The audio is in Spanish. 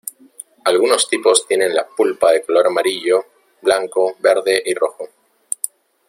Algunos tipos tienen la pulpa de color amarillo, blanco, verde y rojo.